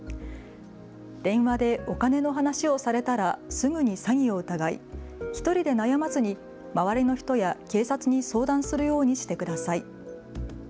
電話でお金の話をされたらすぐに詐欺を疑い１人で悩まずに周りの人や警察に相談するようにしてください。